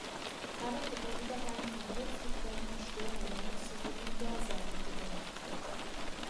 Damit wird der Übergang von hochfrequenten Störungen zur Sekundärseite gedämpft.